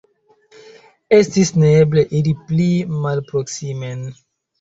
Estis neeble iri pli malproksimen.